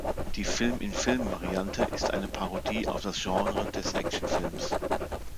Die Film-im-Film-Variante ist eine Parodie auf das Genre des Actionfilms.